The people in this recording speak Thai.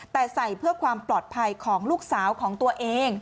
แต่ใส่เพื่อความปลอดภัยของลูกสาวของตัวเอง